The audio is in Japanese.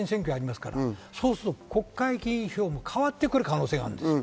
すると国会議員票も変わってくる可能性があるんです。